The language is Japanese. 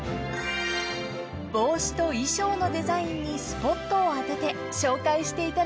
［帽子と衣装のデザインにスポットを当てて紹介していただきましょう］